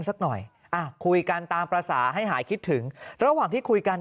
สักหน่อยคุยกันตามภาษาให้หายคิดถึงระหว่างที่คุยกัน